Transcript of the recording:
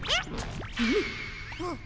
えっ！？